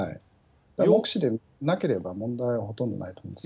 目視でなければ、問題はほとんどないと思います。